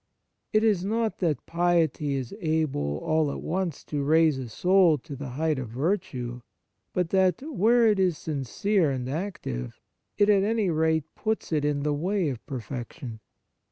It is not that piety is able, all at once, to raise a soul to the height of virtue, but that, where it is sincere and active, it at any rate puts it in the way of perfection.